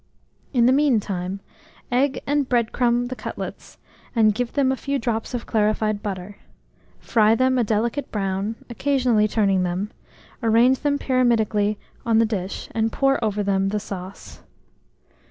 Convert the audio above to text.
In the mean time, egg and bread crumb the cutlets, and give them a few drops of clarified butter; fry them a delicate brown, occasionally turning them; arrange them pyramidically on the dish, and pour over them the sauce.